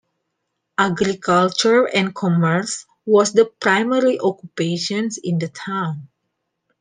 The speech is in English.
Agriculture and commerce was the primary occupations in the town.